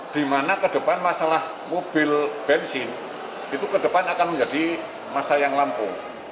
di mana ke depan masalah mobil bensin itu ke depan akan menjadi masa yang lampu